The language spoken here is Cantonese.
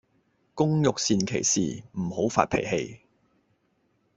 工欲善其事,唔好發脾氣